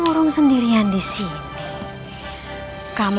sedang salingnakan roti iwan untuk h tracking her love to you